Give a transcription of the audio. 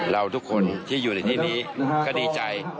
เราทุกคนที่อยู่ในที่นี้ก็ดีใจ